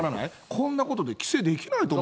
こんなことで規制できないと思う。